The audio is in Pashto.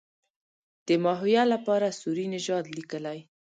د ماهویه لپاره سوري نژاد لیکلی.